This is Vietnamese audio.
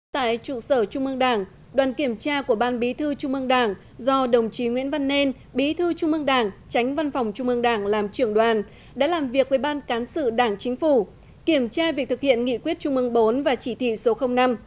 tại trụ sở trung ương đảng đoàn kiểm tra của ban bí thư trung ương đảng do đồng chí nguyễn văn nên bí thư trung ương đảng tránh văn phòng trung ương đảng làm trưởng đoàn đã làm việc với ban cán sự đảng chính phủ kiểm tra việc thực hiện nghị quyết trung ương bốn và chỉ thị số năm